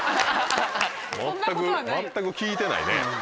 全く全く聞いてないね。